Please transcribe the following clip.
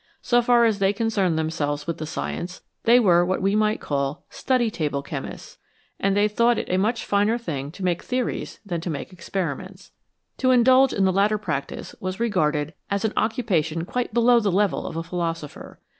So far as they con cerned themselves with the science, they were what we might call "study table chemists, 11 and they thought it a much finer thing to make theories than to make experiments. To indulge in the latter practice was re garded as an occupation quite below the level of a philosopher.